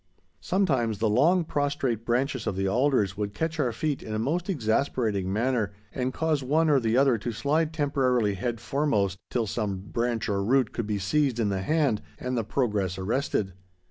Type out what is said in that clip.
Sometimes the long, prostrate branches of the alders would catch our feet in a most exasperating manner, and cause one or the other to slide temporarily head foremost, till some branch or root could be seized in the hand and the progress arrested.